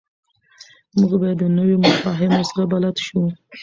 موږ باید د نویو مفاهیمو سره بلد شو.